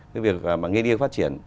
cái việc nghiên điên phát triển